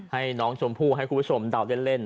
ให้น้องชมพูให้คุณผู้ชมดาวเต้นเล่น